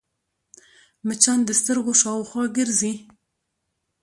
مچان د سترګو شاوخوا ګرځي